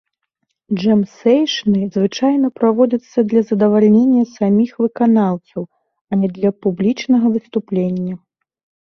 Джэм-сэйшны звычайна праводзяцца для задавальнення саміх выканаўцаў, а не для публічнага выступлення.